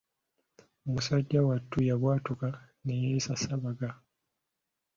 Musajja wattu yabwatuka ne yeesaasabaga.